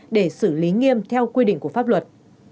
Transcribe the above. để xử lý nghiêm theo quy định của pháp luật